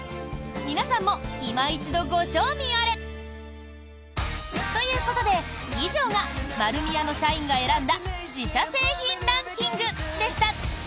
皆さんもいま一度ご賞味あれ！ということで以上が丸美屋の社員が選んだ自社製品ランキングでした。